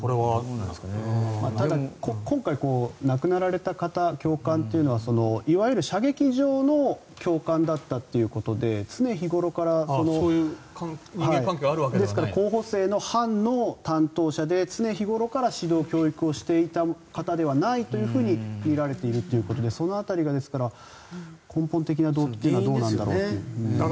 ただ今回、亡くなられた方教官というのはいわゆる射撃場の教官だったということで常日頃から、候補生の班の担当者で常日頃から指導・教育していた方ではないとみられているということでその辺り、根本的な動機がどうだったのかですね。